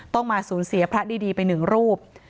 ต้องมาสูญเสียพระดีไปหนึ่งรูป